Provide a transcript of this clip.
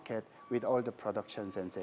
dengan semua perusahaan dan rencana